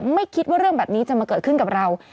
ไม่คิดว่าเรื่องแบบนี้จะมาเกิดขึ้นกับเรา